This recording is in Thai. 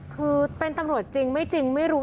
คือเป็นตำรวจจริงไม่จริงไม่รู้